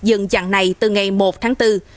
dừng chặng này từ ngày một tháng bốn